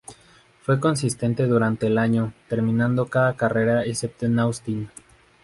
Fue consistente durante el año, terminando cada carrera excepto en Austin.